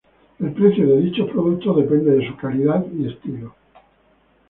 El precio de dichos productos depende de su calidad y estilo.